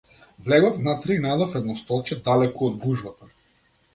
Влегов внатре и најдов едно столче далеку од гужвата.